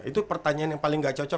itu pertanyaan yang paling gak cocok